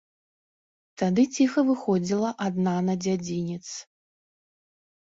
Тады ціха выходзіла адна на дзядзінец.